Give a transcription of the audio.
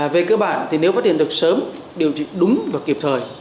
về cơ bản thì nếu phát hiện được sớm điều trị đúng và kịp thời